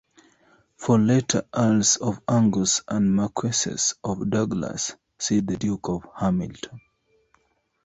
"For later Earls of Angus and Marquesses of Douglas, see the Duke of Hamilton"